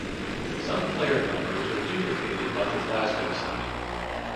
Some player numbers were duplicated by the Glasgow side.